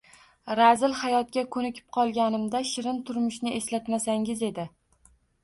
Razil hayotga ko’nikib qolganimda shirin turmushni eslatmasangiz edi.